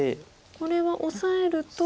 これはオサえると。